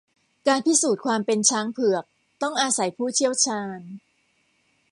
การพิสูจน์ความเป็นช้างเผือก ต้องอาศัยผู้เชี่ยวชาญ